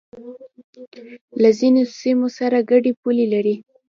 له ځینو سیمو سره گډې پولې لري